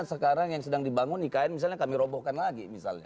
sekarang yang sedang dibangun ikn misalnya kami robohkan lagi misalnya